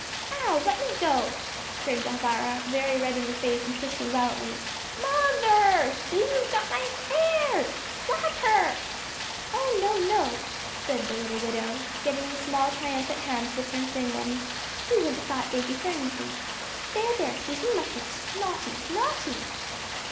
"Ow! Let me go!" screamed Elvira, very red in the face and twisting violently. "Moth_er_, Susan's got my hair! Slap her." "Oh, no, no," said the little widow, getting the small, triumphant hands within her thin ones; "we wouldn't slap baby for anything. There, there, Susan mustn't. Naughty naughty!"